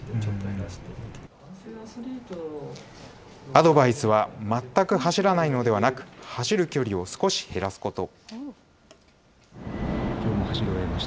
アドバイスは、全く走らないのではなく、走る距離を少し減らすこと。